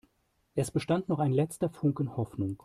Es bestand noch ein letzter Funken Hoffnung.